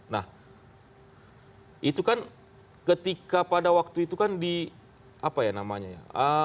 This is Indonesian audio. nah itu kan ketika pada waktu itu kan di apa ya namanya ya